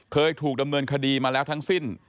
เคยถูกดำเนินคดีมาแล้วทั้งสิ้น